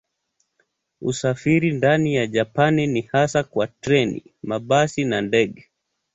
Usafiri ndani ya Japani ni hasa kwa treni, mabasi na ndege.